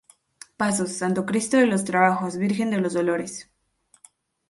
Pasos: Santo Cristo de los Trabajos, Virgen de los dolores.